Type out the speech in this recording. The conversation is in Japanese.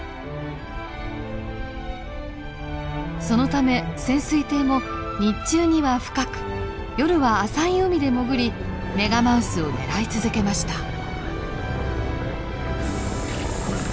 そのため潜水艇も日中には深く夜は浅い海で潜りメガマウスを狙い続けました。